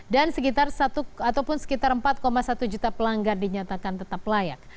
dan sekitar empat satu juta pelanggan dinyatakan tetap layak